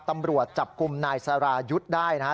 ตำรวจจับกลุ่มนายสรายุทธ์ได้นะฮะ